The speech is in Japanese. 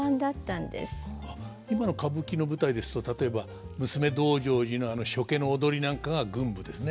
今の歌舞伎の舞台ですと例えば「娘道成寺」のあの所化の踊りなんかが群舞ですね。